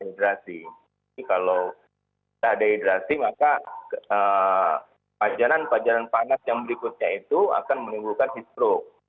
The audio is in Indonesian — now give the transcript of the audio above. jadi kalau kita dehidrasi maka pajaran pajaran panas yang berikutnya itu akan menimbulkan heat stroke